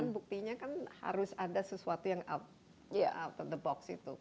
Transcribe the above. kan buktinya kan harus ada sesuatu yang out of the box itu